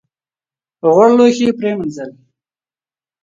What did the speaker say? غوړ لوښي یې پرېمینځل .